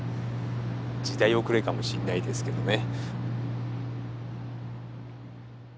時代遅れかもしんないですけどね。